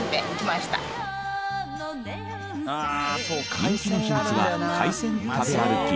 人気の秘密は海鮮食べ歩き。